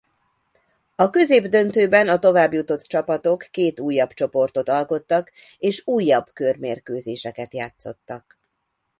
A középdöntőben a továbbjutott csapatok két újabb csoportot alkottak és újabb körmérkőzéseket játszottak.